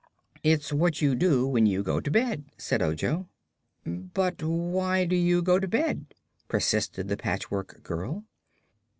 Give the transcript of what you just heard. "It's what you do when you go to bed," said Ojo. "But why do you go to bed?" persisted the Patchwork Girl.